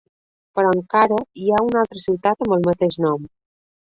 Però encara hi ha una altra ciutat amb el mateix nom.